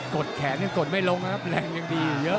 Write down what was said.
กดแขนก็กดไม่ลงครับแรงยังดีอยู่เยอะ